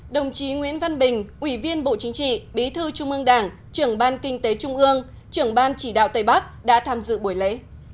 đồng chí nguyễn văn bình ủy viên bộ chính trị bí thư trung ương đảng trưởng ban kinh tế trung ương trưởng ban chỉ đạo tây bắc đã tham dự buổi lễ